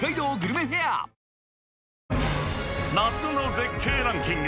絶景ランキング